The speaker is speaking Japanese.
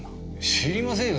知りませんよ